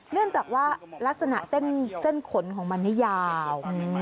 เนื่องจากว่าลักษณะเส้นขนของมันนี่ยาว